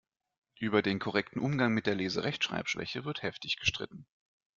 Über den korrekten Umgang mit der Lese-Rechtschreib-Schwäche wird heftig gestritten.